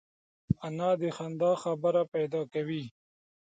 انا د خندا خبره پیدا کوي